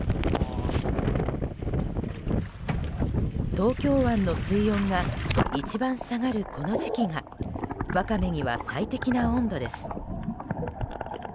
東京湾の水温が一番下がるこの時期がワカメには最適な温度です。